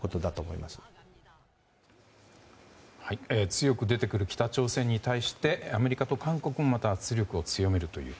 強く出てくる北朝鮮に対してアメリカと韓国もまた圧力を強めるという。